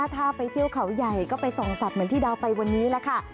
ถ้าไปเที่ยวเขาใหญ่ก็ไปส่องสัตว์เหมือนที่ดาวไปวันนี้แหละค่ะ